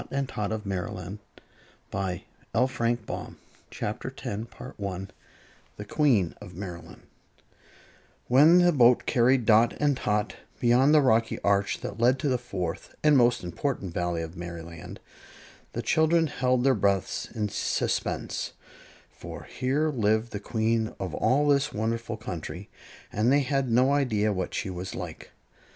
Babies are born every minute, 'tis true." CHAPTER 10 The Queen of Merryland When the boat carried Dot and Tot beyond the rocky arch that led to the Fourth and most important Valley of Merry land, the children held their breaths in suspense; for here lived the Queen of all this wonderful country, and they had no idea what she was like.